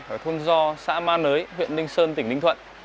ở thôn do xã ma nới huyện ninh sơn tỉnh ninh thuận